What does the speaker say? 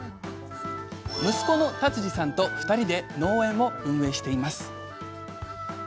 息子の辰樹さんと２人で農園を運営しています。